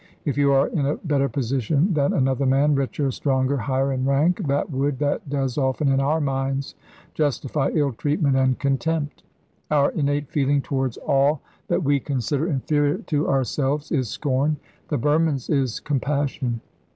If you are in a better position than another man, richer, stronger, higher in rank, that would that does often in our minds justify ill treatment and contempt. Our innate feeling towards all that we consider inferior to ourselves is scorn; the Burman's is compassion.